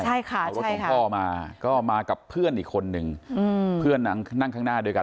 ใช่ค่ะเอารถของพ่อมาก็มากับเพื่อนอีกคนนึงเพื่อนนั่งข้างหน้าด้วยกัน